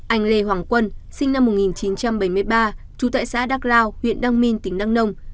anh lê hoàng quân sinh năm một nghìn chín trăm bảy mươi ba trú tại xã đắk lao huyện đăng minh tỉnh đăng nông